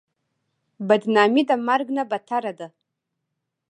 بدنامي د مرګ نه بدتره ده.